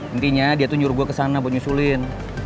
intinya dia tuh nyuruh gue kesana gue nyusulin